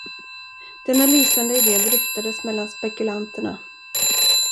Denna lysande idé dryftades mellan spekulanterna.